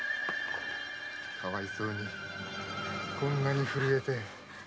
かわいそうにこんなに震えて。